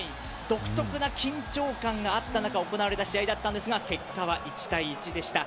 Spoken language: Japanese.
独特な緊張感があった中行われた試合だったんですが結果は１対１でした。